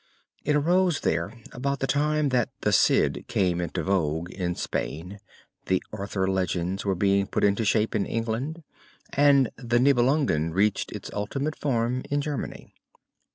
It arose there about the time that the Cid came into vogue in Spain, the Arthur Legends were being put into shape in England, and the Nibelungen reaching its ultimate form in Germany.